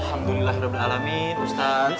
alhamdulillah udah beralamin ustadz